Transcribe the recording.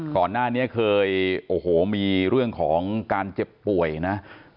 ก่อนหน้านี้เคยโอ้โหมีเรื่องของการเจ็บป่วยนะ